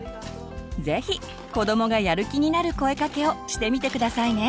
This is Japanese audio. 是非子どもがやる気になる声かけをしてみて下さいね。